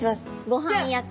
ごはん役。